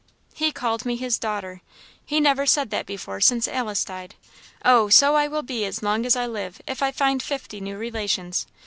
"He called me his daughter! he never said that before, since Alice died! Oh! so I will be as long as I live, if I find fifty new relations.